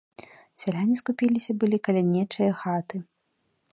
Сяляне скупіліся былі каля нечае хаты.